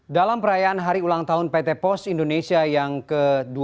dalam perayaan hari ulang tahun pt pos indonesia yang ke dua puluh